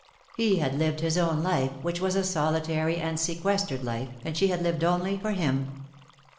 He had lived his own life, which was a solitary and sequestered life, and she had lived only for him.